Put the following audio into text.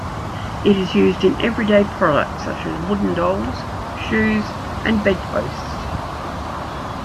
It is used in everyday products such as wooden dolls, shoes and bedposts.